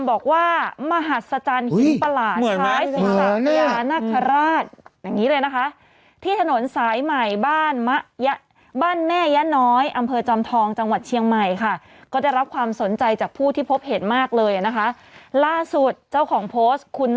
โอเคชัดเจนเลยว่ามันไม่ให้ไปรบกวนทางเท้าหรือทางเดินของคน